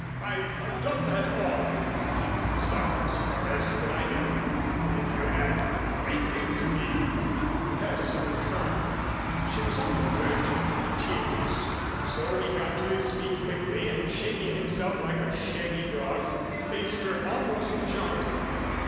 I've done that often. Besides, what else could I do? If you had wakened me " "That is unkind." She was on the verge of tears. So he got to his feet quickly and shaking himself like a shaggy dog, faced her almost jauntily.